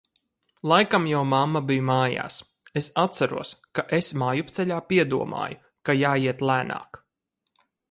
Laikam jau mamma bija mājās. es atceros, ka es mājupceļā piedomāju, ka jāiet lēnāk.